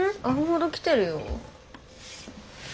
アホほど来てるよ。